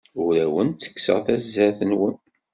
Ur awen-d-ttekkseɣ tazart-nwen.